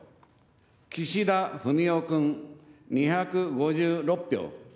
岸田文雄君、２５６票。